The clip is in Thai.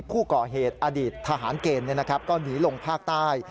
ผู้ก่อเหตุอดีตทหารเกณฑ์ก็หนีลงภาคใต้